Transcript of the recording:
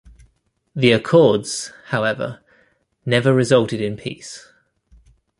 The Accords, however, never resulted in peace.